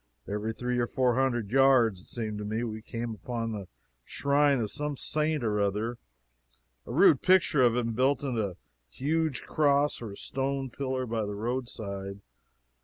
Every three or four hundred yards, it seemed to me, we came upon the shrine of some saint or other a rude picture of him built into a huge cross or a stone pillar by the road side.